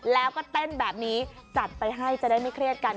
แล้วก็เต้นแบบนี้จัดไปให้จะได้ไม่เครียดกัน